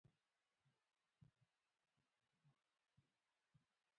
سلیمان غر د افغانستان یوه طبیعي ځانګړتیا ده.